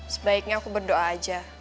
sebaiknya aku berdoa aja